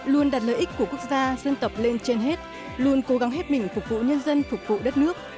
luôn đặt lợi ích của quốc gia dân tộc lên trên hết luôn cố gắng hết mình phục vụ nhân dân phục vụ đất nước